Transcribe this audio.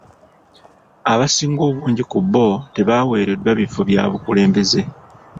Abasinga obungi ku bbo tebawereddwa bifo bya bukulembeze.